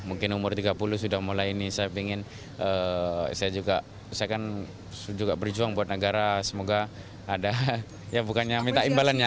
mungkin umur tiga puluh sudah mulai ini saya ingin saya juga saya kan juga berjuang buat negara semoga ada ya bukannya minta imbalannya